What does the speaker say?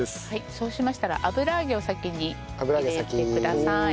そうしましたら油揚げを先に入れてください。